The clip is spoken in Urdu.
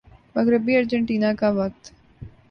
مغربی ارجنٹینا کا وقت